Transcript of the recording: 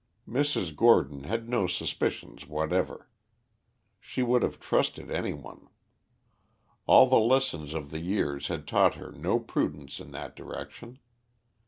Mrs. Gordon had no suspicions whatever; she would have trusted any one. All the lessons of all the years had taught her no prudence in that direction.